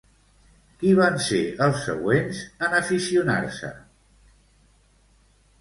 Qui van ser els següents en aficionar-se?